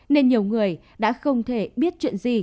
nên nhiều người đã không thể biết chuyện gì